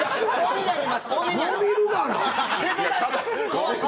伸びるがな。